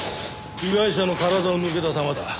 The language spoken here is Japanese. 被害者の体を抜けた弾だ。